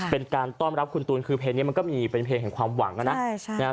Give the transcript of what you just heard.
เป็นการต้อนรับคุณตูนคือเพลงนี้มันก็มีเป็นเพลงแห่งความหวังนะ